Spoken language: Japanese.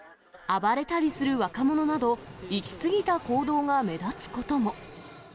暴れたりする若者など、行き過ぎた行動が目立つことも。